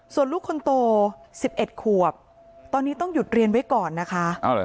ส่วนลูกคนโต๑๑ขวบตอนนี้ต้องหยุดเรียนไว้ก่อนนะคะ